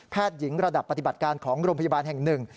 แพทย์หญิงระดับปฏิบัติการของโรงพยาบาลแห่ง๑